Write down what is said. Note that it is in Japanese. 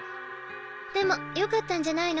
でもよかったんじゃないの？